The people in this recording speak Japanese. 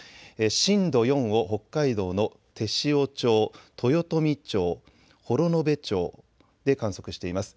震度４を北海道の天塩町、豊富町、幌延町で観測しています。